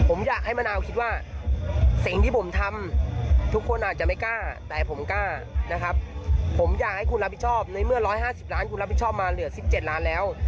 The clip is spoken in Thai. ผมอยากให้คุณรับผิดชอบในเมื่อ๑๕๐ล้านคุณรับผิดชอบมาเหลือ๑๗ล้านแล้ว